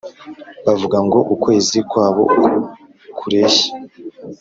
bavuga ngo ukwezi kwabo uku kureshya